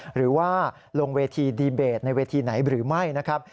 หรือว่าลงเวทีดีเบตในเวทีไหนหรือไม่นะครับ